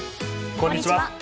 こんにちは。